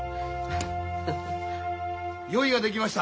用意ができました。